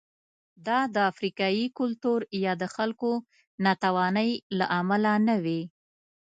دا د افریقايي کلتور یا د خلکو ناتوانۍ له امله نه وې.